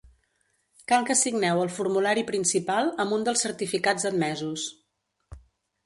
Cal que signeu el formulari principal amb un dels certificats admesos.